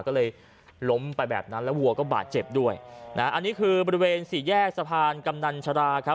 ก็เลยล้มไปแบบนั้นแล้ววัวก็บาดเจ็บด้วยนะอันนี้คือบริเวณสี่แยกสะพานกำนันชราครับ